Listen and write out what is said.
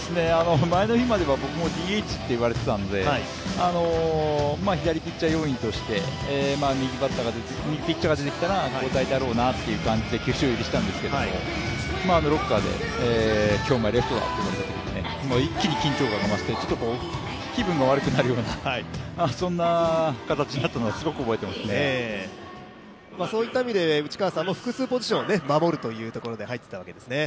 前の日までは僕もＤＨと言われていたので左ピッチャー要員として右ピッチャーが出てきたら交代だろうなって感じで球場入りしたんですけど、ロッカーで、今日、お前レフトだって言われて一気に緊張感が増して、気分が悪くなるようなそんな形になったのをそういった意味で内川さんも複数ポジションを守るということで入っていたわけですね。